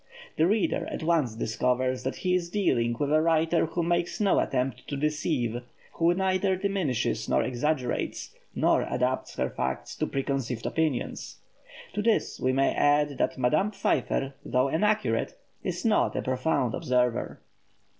The reader at once discovers that he is dealing with a writer who makes no attempt to deceive, who neither diminishes nor exaggerates, nor adapts her facts to preconceived opinions. To this we may add that Madame Pfeiffer, though an accurate, is not a profound observer.